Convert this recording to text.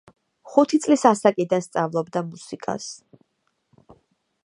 ხუთი წლის ასაკიდან სწავლობდა მუსიკას.